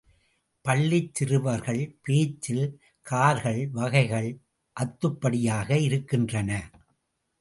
பள்ளிச் சிறுவர்கள் பேச்சில் கார்கள் வகைகள் அத்துப்படியாக இருக்கின்றன.